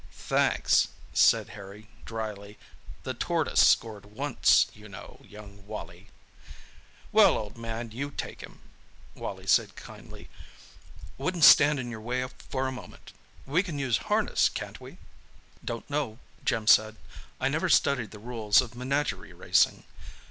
"Thanks," said Harry dryly. "The tortoise scored once, you know, young Wally!" "Well, old man, you take him," Wally said kindly. "Wouldn't stand in your way for a moment. We can use harness, can't we?" "Don't know," Jim said. "I never studied the rules of menagerie racing.